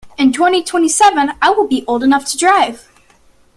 In twenty-twenty-seven I will old enough to drive.